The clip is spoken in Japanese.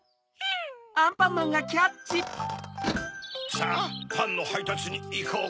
さぁパンのはいたつにいこうか。